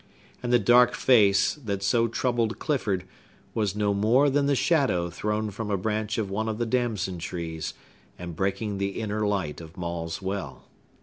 And the dark face, that so troubled Clifford, was no more than the shadow thrown from a branch of one of the damson trees, and breaking the inner light of Maule's well.